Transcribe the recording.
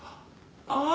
ああ！